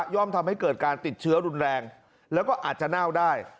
่อมทำให้เกิดการติดเชื้อรุนแรงแล้วก็อาจจะเน่าได้